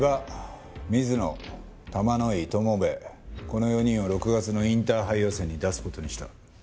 この４人を６月のインターハイ予選に出す事にした。